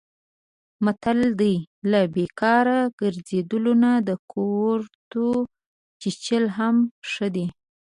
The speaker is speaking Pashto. متل دی: له بیکاره ګرځېدلو نه د کورتو چیچل هم ښه دي.